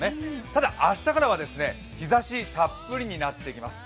ただ、明日からは日ざしたっぷりになっていきます。